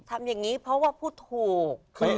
ทำอย่างนี้เพราะว่าพูดถูก